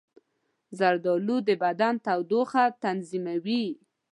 زردالو د بدن تودوخه تنظیموي.